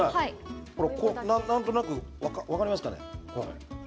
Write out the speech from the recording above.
なんとなく分かりますかね？